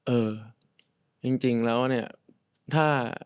เออจริงแล้วเนี่ยถ้า